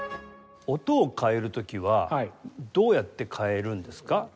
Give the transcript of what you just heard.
音を変える時はどうやって変えるんですか？